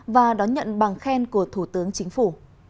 và đón nhận bằng khen của thủ tướng chính phủ